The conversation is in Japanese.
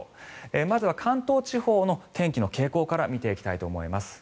まずは関東地方の天気の傾向から見ていきたいと思います。